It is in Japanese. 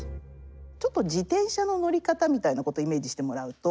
ちょっと自転車の乗り方みたいなことをイメージしてもらうと。